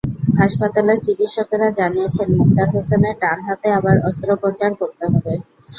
হাসপাতালের চিকিৎসকেরা জানিয়েছেন, মোক্তার হোসেনের ডান হাতে আবার অস্ত্রোপচার করতে হবে।